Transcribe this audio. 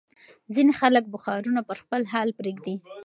ځینې خلک بخارونه پر خپل حال پرېږدي.